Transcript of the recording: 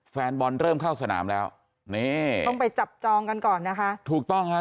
แฟนบอลเริ่มเข้าสนามแล้วนี่ต้องไปจับจองกันก่อนนะคะถูกต้องฮะ